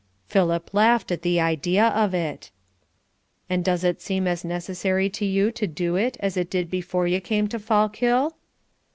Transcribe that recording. Philip laughed at the idea of it. "And does it seem as necessary to you to do it as it did before you came to Fallkill?"